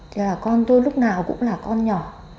thế là con tôi lúc nào cũng là con nhỏ